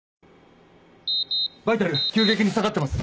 バイタル急激に下がってます。